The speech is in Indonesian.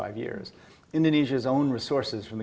keuangan indonesia dari pemerintah